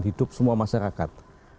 hidup semua masyarakat